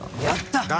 やった！